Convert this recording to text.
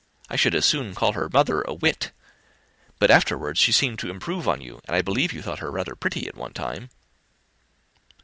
I should as soon call her mother a wit.' But afterwards she seemed to improve on you, and I believe you thought her rather pretty at one time."